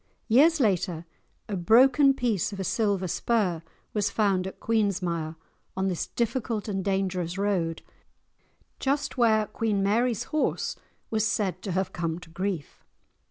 Years later, a broken piece of a silver spur was found at Queensmire, on this difficult and dangerous road, just where Queen Mary's horse was said to have come to grief.